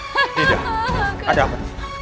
nida ada apa